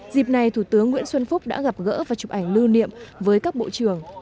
dịp này thủ tướng nguyễn xuân phúc đã gặp gỡ và chụp ảnh lưu niệm với các bộ trưởng